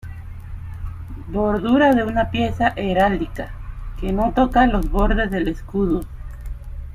Bordura de una pieza heráldica, que no toca los bordes del escudo.